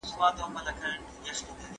په سیاست کې د دود زور ډېر اغېزمن وي.